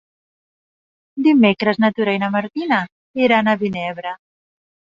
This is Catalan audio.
Dimecres na Tura i na Martina iran a Vinebre.